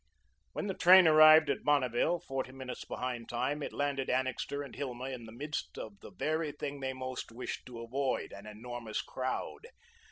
When the train arrived at Bonneville, forty minutes behind time, it landed Annixter and Hilma in the midst of the very thing they most wished to avoid an enormous crowd.